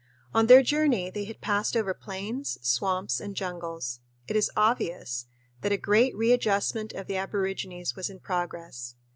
On their journey they had passed over plains, swamps, and jungles. It is obvious that a great readjustment of the aborigines was in progress.